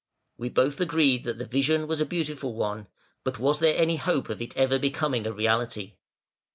We both agreed that the vision was a beautiful one, but was there any hope of it ever becoming a reality?